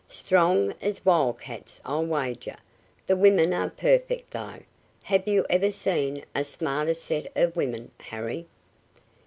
"Strong as wildcats, I'll wager. The women are perfect, though. Have you ever seen a smarter set of women, Harry?"